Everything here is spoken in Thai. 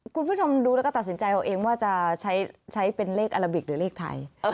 คุณผู้ชมดูแล้วก็ตัดสินใจเอาเองว่าจะใช้เป็นเลขอาราบิกหรือเลขไทย